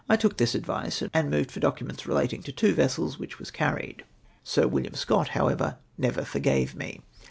took this advice and moved for de)Ciinieiits relating to two vessels, which was carried. Sir William Scott, however, never forgave me.